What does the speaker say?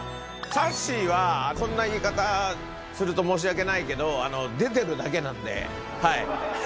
さっしーは、こんな言い方すると申し訳ないけど、出てるだけなんで。